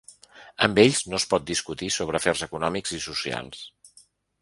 Amb ells no es pot discutir sobre afers econòmics i socials.